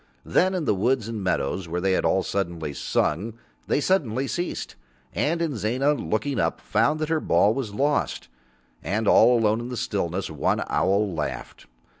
Then in the woods and meadows where they had all suddenly sung, they suddenly ceased. And Inzana, looking up, found that her ball was lost, and all alone in the stillness one owl laughed.